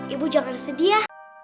ibu jangan sedih ya